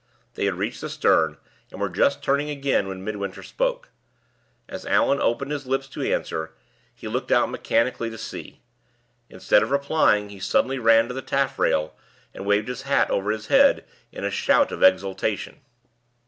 They had reached the stern, and were just turning again when Midwinter spoke. As Allan opened his lips to answer, he looked out mechanically to sea. Instead of replying, he suddenly ran to the taffrail, and waved his hat over his head, with a shout of exultation.